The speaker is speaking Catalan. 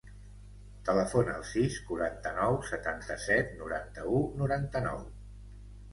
Telefona al sis, quaranta-nou, setanta-set, noranta-u, noranta-nou.